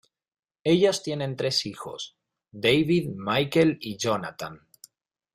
Ellos tienen tres hijos, David, Michael y Jonathan.